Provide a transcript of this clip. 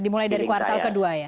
dimulai dari kuartal kedua ya